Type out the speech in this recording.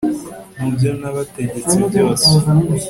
mu byo nabategetse byose